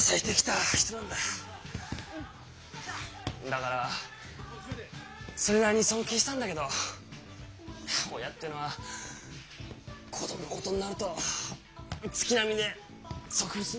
だからそれなりに尊敬したんだけど親ってのは子供のことになると月並みで俗物になっちゃうんだよなあ。